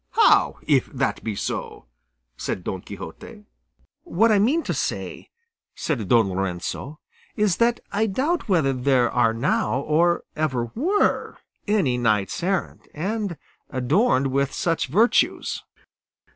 "How, if that be so?" said Don Quixote. "What I mean to say," said Don Lorenzo, "is, that I doubt whether there are now, or ever were, any knights errant, and adorned with such virtues."